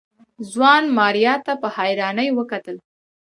ځوان ماريا ته په حيرانۍ وکتل.